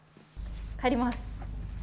帰ります。